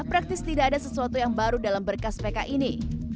praktis tidak ada sesuatu yang baru dalam berkas pk ini